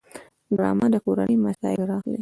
ډرامه د کورنۍ مسایل راخلي